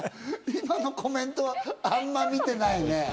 今のコメントはあんま見てないね。